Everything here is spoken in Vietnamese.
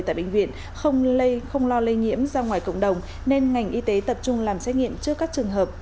tại bệnh viện không lây không lo lây nhiễm ra ngoài cộng đồng nên ngành y tế tập trung làm xét nghiệm trước các trường hợp